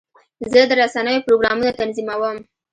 زه د رسنیو پروګرامونه تنظیموم.